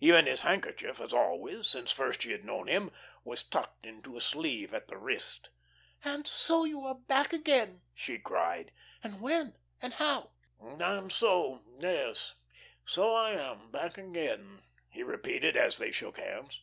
Even his handkerchief, as always, since first she had known him, was tucked into his sleeve at the wrist. "And so you are back again," she cried. "And when, and how?" "And so yes so I am back again," he repeated, as they shook hands.